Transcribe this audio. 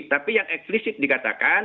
tapi yang eksklusif dikatakan